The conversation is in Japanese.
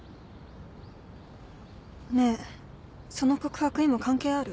ねえその告白今関係ある？